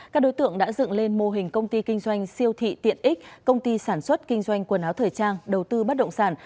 các đối tượng đã dựng lên mô hình công ty kinh doanh siêu thị tiện ích công ty sản xuất kinh doanh quần áo thời trang đầu tư bất động sản